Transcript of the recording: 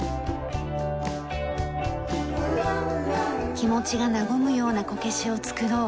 気持ちが和むようなこけしを作ろう。